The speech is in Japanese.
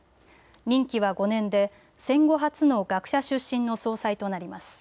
任期は５年で戦後初の学者出身の総裁となります。